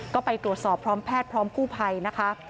ก็ไปตรวจสอบพร้อมแพทย์พร้อมกู้ภัยนะคะ